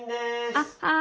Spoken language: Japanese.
あっはい！